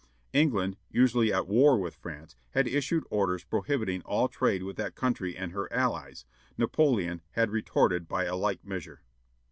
England, usually at war with France, had issued orders prohibiting all trade with that country and her allies; Napoleon had retorted by a like measure.